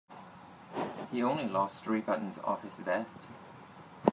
He only lost three buttons off his vest.